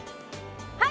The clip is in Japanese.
はい！